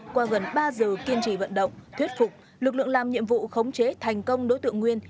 qua gần ba giờ kiên trì vận động thuyết phục lực lượng làm nhiệm vụ khống chế thành công đối tượng nguyên